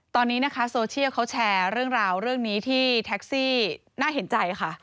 ตอนนี้นะคะโซเชียลเขาแชร์เรื่องราวเรื่องนี้ที่แท็กซี่น่าเห็นใจค่ะ